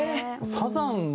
サザン